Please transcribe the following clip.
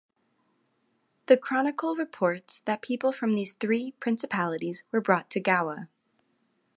The chronicle reports that people from these three principalities were brought to Gowa.